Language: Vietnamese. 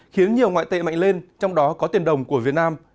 khiến nhiều ngoại tệ mạnh lên trong đó có tiền đồng của việt nam